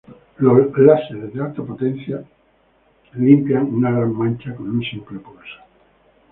Los láseres de alta potencia limpian un gran mancha con un simple pulso.